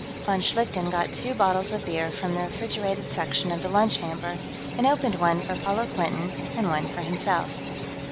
Von Schlichten got two bottles of beer from the refrigerated section of the lunch hamper and opened one for Paula Quinton and one for himself.